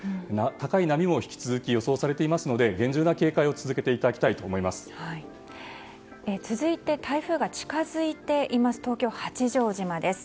高い波も引き続き予想されていますので厳重な警戒を続いて台風が近づいています東京・八丈島です。